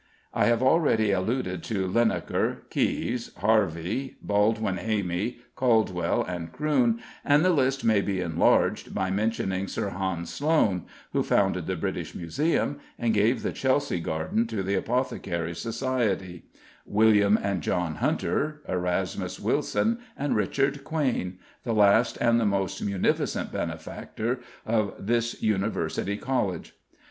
I have already alluded to Linacre, Caius, Harvey, Baldwin Hamey, Caldwell, and Croon, and the list may be enlarged by mentioning Sir Hans Sloane (who founded the British Museum and gave the Chelsea Garden to the Apothecaries' Society), William and John Hunter, Erasmus Wilson, and Richard Quain the last and the most munificent benefactor of this (University) College.